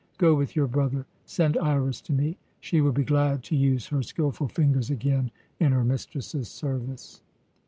Go with your brother. Send Iras to me. She will be glad to use her skilful fingers again in her mistress's service."